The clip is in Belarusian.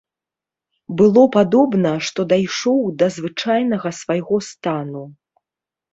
Было падобна, што дайшоў да звычайнага свайго стану.